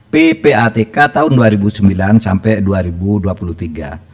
ppatk tahun dua ribu sembilan sampai dua ribu dua puluh tiga